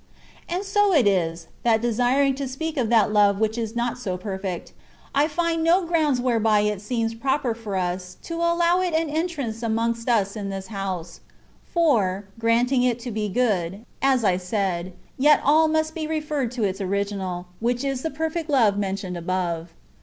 And so it is, that desiring to speak of that love which is not so perfect, I find no grounds whereby it seems proper for us to allow it an entrance amongst us in this house ; for, granting it to be good, as I said, yet all must be referred to its original, which is the perfect love mentioned above.